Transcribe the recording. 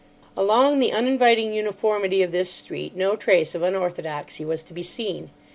Along the uninviting uniformity of this street no trace of unorthodoxy was to be seen.